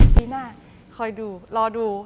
ปีหน้าคอยดูรอดู